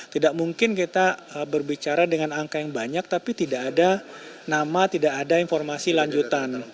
tidak mungkin kita berbicara dengan angka yang banyak tapi tidak ada nama tidak ada informasi lanjutan